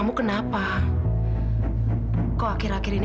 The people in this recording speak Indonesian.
mereka paham kan